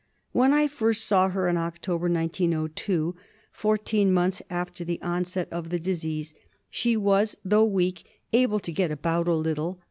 When I first saw her in October, 1902, fourteen months after the onset of the disease, she was, although weak, able to get about a little.